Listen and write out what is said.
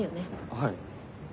はい。